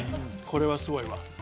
これはすごいわ。